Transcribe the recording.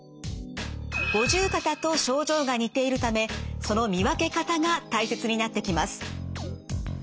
五十肩と症状が似ているためその見分け方が大切になってきます。